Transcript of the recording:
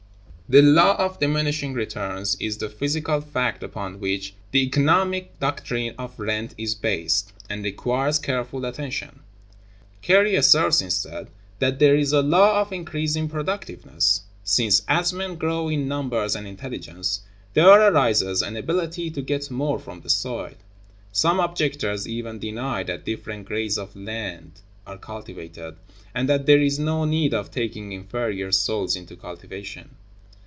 The law of diminishing returns is the physical fact upon which the economic doctrine of rent is based, and requires careful attention. Carey asserts, instead, that there is a law of increasing productiveness, since, as men grow in numbers and intelligence, there arises an ability to get more from the soil.(132) Some objectors even deny that different grades of land are cultivated, and that there is no need of taking inferior soils into cultivation.